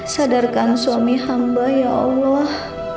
sadarkan suami hamba ya allah